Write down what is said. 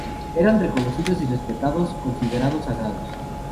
Eran reconocidos y respetados, considerados sagrados.